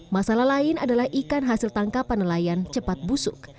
masalah lain adalah ikan hasil tangkapan nelayan cepat busuk